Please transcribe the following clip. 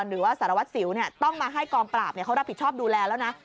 หรือว่าสารวัตรสิวต้องมาให้กองปราบเขารับผิดชอบดูแลแล้วนะ